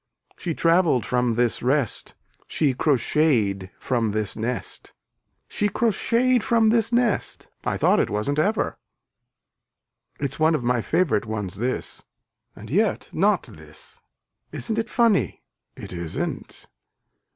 She travelled from this rest. She crocheted from this nest. She crocheted from this nest. I thought it wasn't ever. It's one of my favorite ones this. And yet not this. Isn't it funny. It isn't.